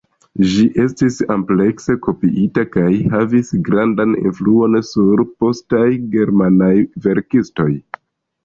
Ĝi estis amplekse kopiita kaj havis grandan influon sur postaj germanaj verkistoj.